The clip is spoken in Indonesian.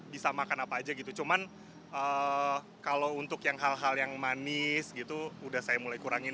bisa makan apa aja gitu cuman kalau untuk yang hal hal yang manis gitu udah saya mulai kurangin